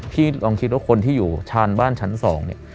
พี่ลองคิดว่าคนที่อยู่ชานบ้านชั้น๒เนี่ย